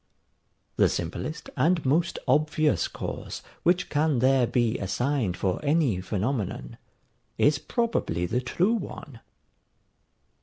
The simplest and most obvious cause which can there be assigned for any phenomenon, is probably the true one.